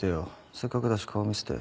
せっかくだし顔見せて」